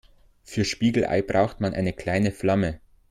Für Spiegelei braucht man eine kleine Flamme.